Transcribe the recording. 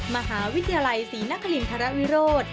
มหาวิทยาลัยศรีนครินทรวิโรธ